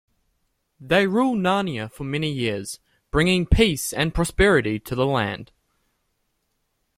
They rule Narnia for many years, bringing peace and prosperity to the land.